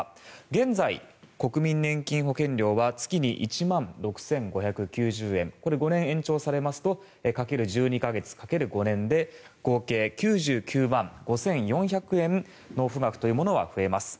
現在、国民年金保険料は月に１万６５９０円これ、５年延長されますと掛ける１２か月掛ける５年で合計９９万５４００円納付額というものは増えます。